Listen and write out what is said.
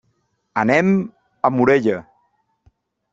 Anem a Morella.